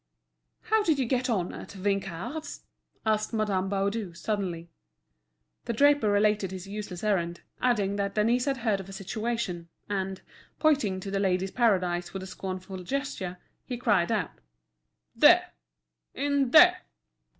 "How did you get on at Vinçard's?" asked Madame Baudu, suddenly. The draper related his useless errand, adding that Denise had heard of a situation; and, pointing to The Ladies' Paradise with a scornful gesture, he cried out: "There—in there!"